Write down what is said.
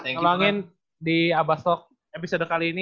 ngebangin di abasok episode kali ini